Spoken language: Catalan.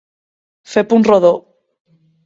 Fer punt rodó.